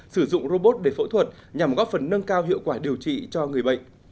sử dụng robot để phẫu thuật nhằm góp phần nâng cao hiệu quả điều trị cho người bệnh